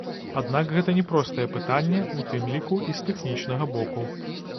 Аднак гэта няпростае пытанне, у тым ліку і з тэхнічнага боку.